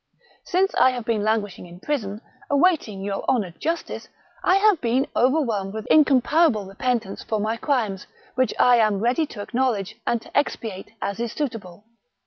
Since I have been languishing in prison, awaiting your honoured justice, I have been overwhelmed with THE MARiCHAL DE RETZ. 205 incomparable repentance for my crimes, which I am ready to acknowledge and to expiate as is suitable.